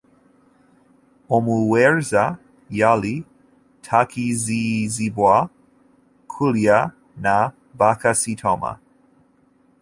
Omuweereza yali takkirizibwa kulya na bakasitoma.